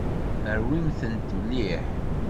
Rwimt-ten mliḥ.